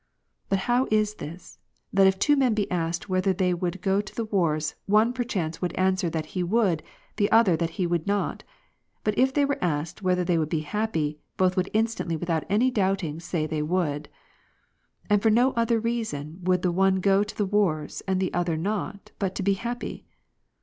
But how is this, that if two men be asked whether they would go to the wars, one, perchance, would answer that he would, the other, that he would not ; but if they were asked, whether they would be happy, both would instantly without any doubting say they would ; and for no other reason would the one go to the wars, and the other not, but to be happy.